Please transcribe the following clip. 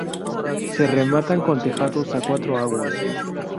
Se rematan con tejados a cuatro aguas.